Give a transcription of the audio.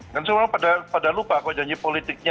kan semua orang pada lupa kalau janji politiknya